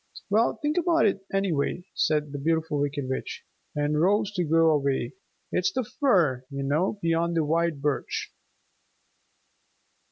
"Well, think about it anyway," said the Beautiful Wicked Witch, and rose to go away. "It's the fir, you know, beyond the white birch."